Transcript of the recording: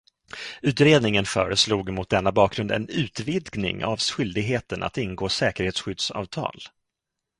Utredningen föreslog mot denna bakgrund en utvidgning av skyldigheten att ingå säkerhetsskyddsavtal.